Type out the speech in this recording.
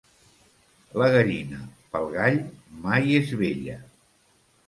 La gallina, pel gall, mai és vella.